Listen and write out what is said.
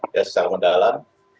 ya sesama dalam